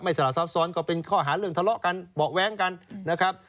สละซับซ้อนก็เป็นข้อหาเรื่องทะเลาะกันเบาะแว้งกันนะครับ